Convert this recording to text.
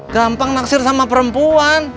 gampang naksir sama perempuan